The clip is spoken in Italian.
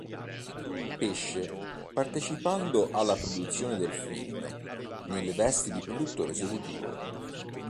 Pesce, partecipando alla produzione del film nelle vesti di produttore esecutivo.